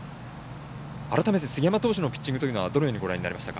改めて杉山投手のピッチングはどのようにご覧になりましたか？